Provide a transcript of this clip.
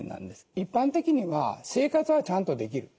一般的には生活はちゃんとできる。